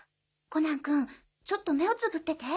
コナン君ちょっと目をつぶってて。